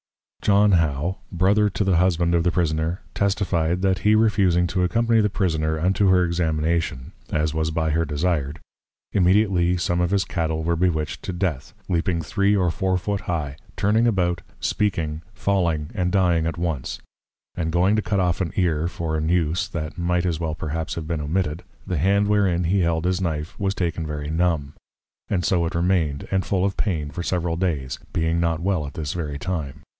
John How, Brother to the Husband of the Prisoner testified, that he refusing to accompany the Prisoner unto her Examination, as was by her desired, immediately some of his Cattle were Bewitched to Death, leaping three or four foot high, turning about, speaking, falling, and dying at once; and going to cut off an Ear, for an use, that might as well perhaps have been omitted, the Hand wherein he held his Knife was taken very numb, and so it remained, and full of Pain, for several Days, being not well at this very Time.